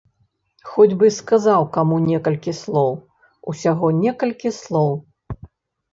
Хоць бы сказаць каму некалькі слоў, усяго некалькі слоў!